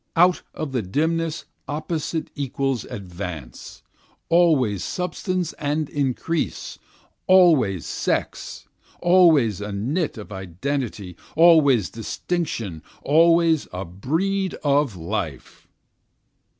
Out of the dimness opposite equals advance, always substance and increase, always sex, Always a knit of identity, always distinction, always a breed of life.